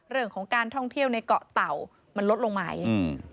เรื่องของการท่องเที่ยวในเกาะเต่ามันลดลงไหมอืม